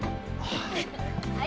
はい。